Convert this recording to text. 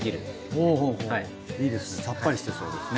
ほうほういいですさっぱりしてそうですね。